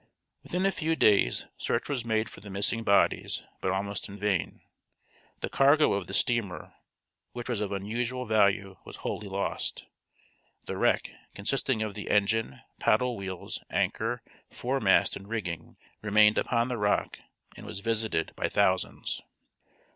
Within a few days search was made for the missing bodies, but almost in vain. The cargo of the steamer, which was of unusual value was wholly lost. The wreck, consisting of the engine, paddle wheels, anchor, foremast and rigging, remained upon the rock and was visited by thousands.